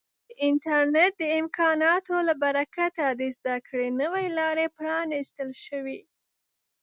د انټرنیټ د امکاناتو له برکته د زده کړې نوې لارې پرانیستل شوي.